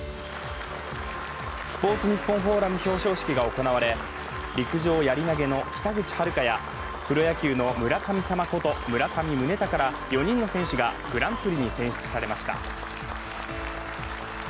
スポーツニッポンフォーラム表彰式が行われ陸上やり投げの北口榛花やプロ野球の村神様こと村上宗隆ら４人の選手がグランプリに選出されました。